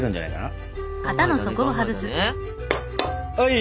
はい！